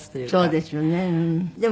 そうですよねうん。